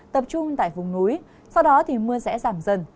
tập trung tại vùng núi sau đó thì mưa sẽ giảm dần